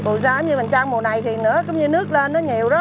phù sa như mình trang mùa này thì nữa cũng như nước lên nó nhiều đó